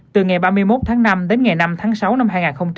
từ ngày ba mươi một tháng năm đến ngày năm tháng sáu năm hai nghìn một mươi chín